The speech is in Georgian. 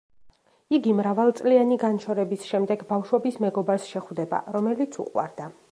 იგი მრავალწლიანი განშორების შემდეგ ბავშვობის მეგობარს შეხვდება, რომელიც უყვარდა.